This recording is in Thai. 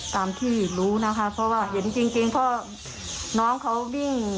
ตามที่รู้นะคะเพราะว่าเห็นจริงก็น้องเขาวิ่ง